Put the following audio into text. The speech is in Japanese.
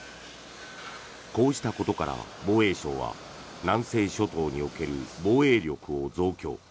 こうしたことから防衛省は南西諸島における防衛力を増強。